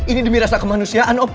ini demi rasa kemanusiaan